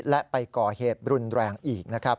และไปก่อเหตุรุนแรงอีกนะครับ